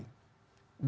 dan itu menurut saya